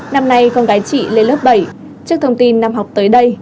năm nay con gái chị lên lớp bảy trước thông tin năm học tới đây